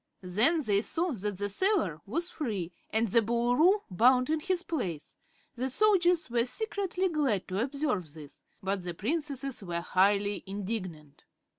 Then they saw that the sailor was free and the Boolooroo bound in his place. The soldiers were secretly glad to observe this, but the Princesses were highly indignant.